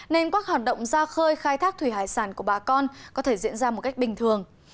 nên các hoạt động ra khơi khai thác thủy hải sản của bà con có thể diễn ra một cách bình thường